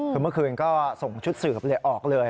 คือเมื่อคืนก็ส่งชุดสืบออกเลย